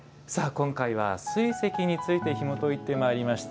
今回は水石についてひもといてまいりました。